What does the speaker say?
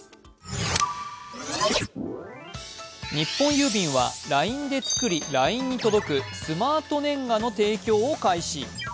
日本郵便はＬＩＮＥで作り、ＬＩＮＥに届くスマートねんがの提供を開始。